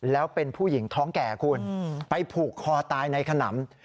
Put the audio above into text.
แล้วเป็นผู้หญิงท้องแก่คุณไปผูกคอตายในขนำ